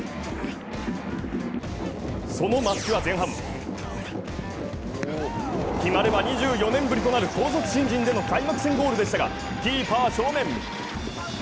その松木は前半決まれば２４年ぶりとなる高卒新人での開幕戦ゴールでしたがキーパー正面。